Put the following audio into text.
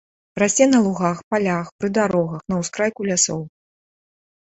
Расце на лугах, палях, пры дарогах, на ўскрайку лясоў.